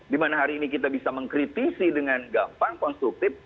dimana hari ini kita bisa mengkritisi dengan gampang konstruktif